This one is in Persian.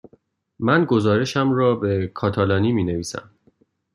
من گزارشم را به کاتالانی می نویسم.